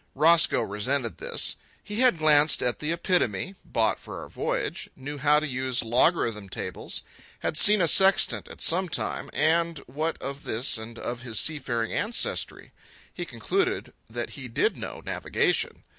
Roscoe resented this. He had glanced at the "Epitome," bought for our voyage, knew how to use logarithm tables, had seen a sextant at some time, and, what of this and of his seafaring ancestry, he concluded that he did know navigation.